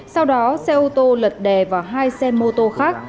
sau đó xe ô tô lật đè vào hai xe mô tô khác